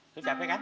lo capek kan